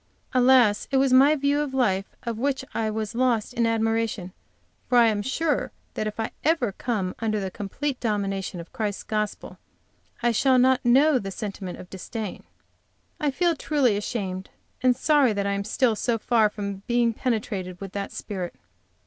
Alas, it was my view of life of which I was lost in admiration, for I am sure that if I ever come under the complete dominion of Christ's gospel I shall not know the Sentiment of disdain. I feel truly ashamed and sorry that I am still so far from being penetrated with that spirit.